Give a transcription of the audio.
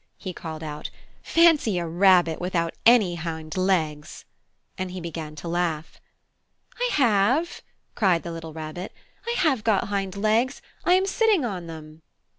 he called out. "Fancy a rabbit without any hind legs!" And he began to laugh. "I have!" cried the little Rabbit. "I have got hind legs! I am sitting on them!"